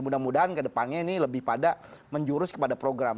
mudah mudahan kedepannya ini lebih pada menjurus kepada program